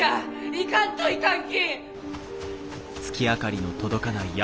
行かんといかんき！